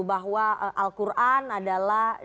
bahwa al quran adalah